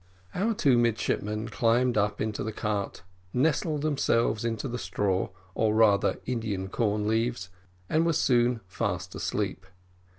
Our two midshipmen climbed up into the cart, nestled themselves into the straw, or rather Indian corn leaves, and were soon fast asleep.